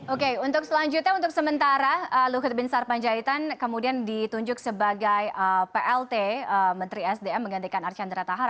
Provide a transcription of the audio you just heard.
oke untuk selanjutnya untuk sementara luhut bin sarpanjaitan kemudian ditunjuk sebagai plt menteri sdm menggantikan archandra tahar